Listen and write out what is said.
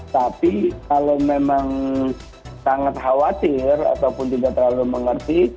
tapi kalau memang sangat khawatir ataupun tidak terlalu mengerti